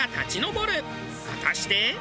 果たして。